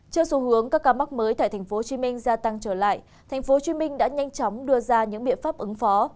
trước xu hướng các ca mắc mới tại tp hcm gia tăng trở lại tp hcm đã nhanh chóng đưa ra những biện pháp ứng phó